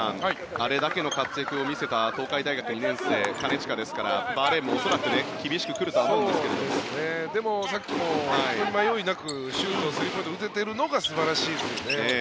あれだけの活躍を見せた東海大学２年生金近ですからバーレーンも恐らくでもさっきも迷いなくシュート、スリーポイントを打てているのが素晴らしいですよね。